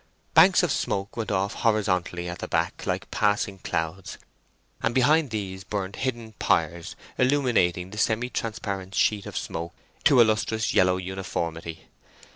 Banks of smoke went off horizontally at the back like passing clouds, and behind these burned hidden pyres, illuminating the semi transparent sheet of smoke to a lustrous yellow uniformity.